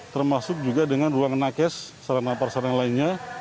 termasuk juga dengan ruangan nakes sarana perasarana lainnya